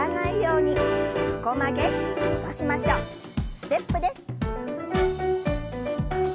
ステップです。